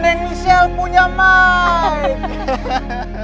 neng michelle punya mike